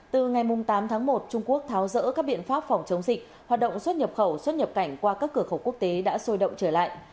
từ ngày tám tháng một trung quốc tháo rỡ các biện pháp phòng chống dịch hoạt động xuất nhập khẩu xuất nhập cảnh qua các cửa khẩu quốc tế đã sôi động trở lại